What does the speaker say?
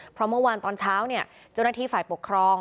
เพราะเมื่อวานตอนเช้าเนี่ยเจ้าหน้าที่ฝ่ายปกครอง